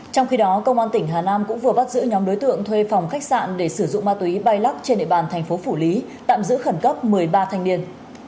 trong khi đó công an tỉnh hà nam cũng vừa bắt giữ nhóm đối tượng thuê phòng khách sạn để sử dụng ma túy bay lắc trên địa bàn thành phố phủ lý tạm giữ khẩn cấp một mươi ba thanh niên